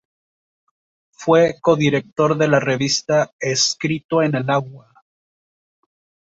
Fue codirector de la revista "Escrito en el agua".